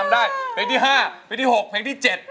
ได้เพลงที่๕เพลงที่๖เพลงที่๗